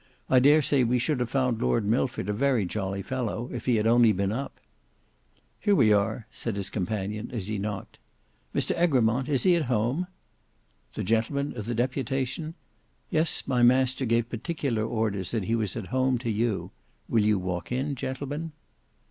"I dare say we should have found Lord Milford a very jolly fellow, if he had only been up." "Here we are," said his companion, as he knocked. "Mr Egremont, is he at home?" "The gentlemen of the deputation? Yes, my master gave particular orders that he was at home to you. Will you walk in, gentlemen?"